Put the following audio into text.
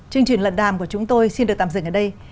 chương trình lận đàm của chúng tôi xin được tạm dừng ở đây